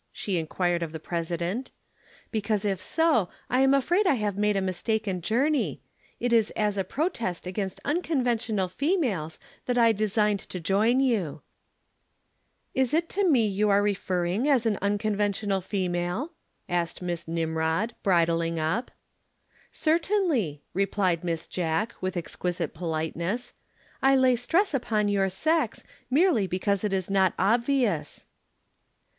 she inquired of the President. "Because if so I am afraid I have made a mistaken journey. It is as a protest against unconventional females that I designed to join you." [Illustration: "Is that the uniform of the Old Maids' Club?"] "Is it to me you are referring as an unconventional female?" asked Miss Nimrod, bridling up. "Certainly," replied Miss Jack, with exquisite politeness. "I lay stress upon your sex, merely because it is not obvious."